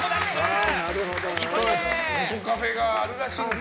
ネコカフェがあるらしいんです。